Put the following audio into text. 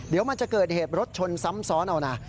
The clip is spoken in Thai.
เดี๋ยวมันจะเกิดเหตุรถชนซ้ำซ้อนเอานะ